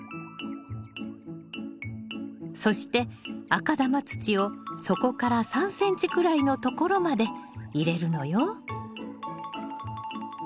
そして赤玉土を底から３ｃｍくらいのところまで入れるのよ。